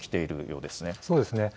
そうですね。